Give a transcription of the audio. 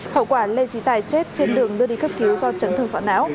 hậu quả lê trí tài chết trên đường đưa đi cấp cứu do trấn thương sọ não